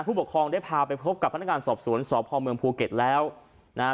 ผู้ปกครองได้พาไปพบกับพนักงานสอบสวนสพเมืองภูเก็ตแล้วนะฮะ